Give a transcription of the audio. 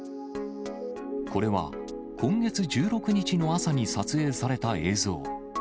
これは今月１６日の朝に撮影された映像。